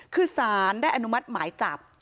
คือสารได้อนุมัติหมายจับ